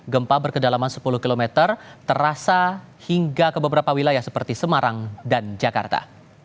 gempa berkedalaman sepuluh km terasa hingga ke beberapa wilayah seperti semarang dan jakarta